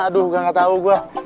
aduh ga tau juga